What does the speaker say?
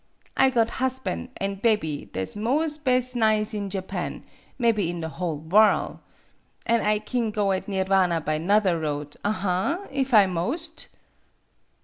I got hosban' an bebby tha' 's mos' bes' nize in Japan, mebby in the whole wotT. An' I kin go at Nirvana by 'nother road, aha! if I moast."